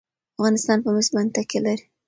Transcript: افغانستان په مس باندې تکیه لري.